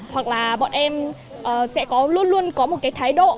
hoặc là bọn em sẽ luôn luôn có một cái thái độ